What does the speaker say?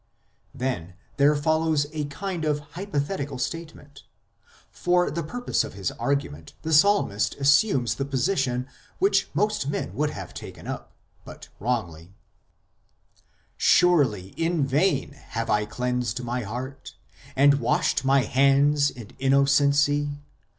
Then there follows a kind of hypothetical statement ; for the purpose of his argument the psalmist assumes the position which most men would have taken up but wrongly : Surely in vain have I cleansed my heart, And washed mine hands in innocency